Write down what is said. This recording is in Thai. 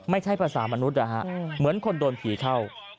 ไม่ใช่ภาษามนุษย์นะฮะเหมือนคนโดนผีเข้า